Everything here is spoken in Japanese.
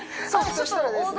そしたらですね